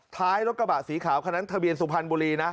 ท้ายรถกระบะสีขาวคนนั้นทะเบียนสุพรรณบุรีนะ